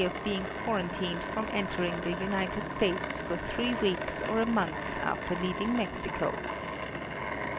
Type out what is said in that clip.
of being quarantined from entering the United States for three weeks or a month after leaving Mexico.